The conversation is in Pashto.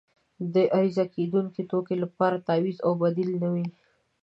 د عرضه کیدونکې توکي لپاره تعویض او بدیل نه وي.